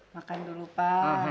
makan dulu pak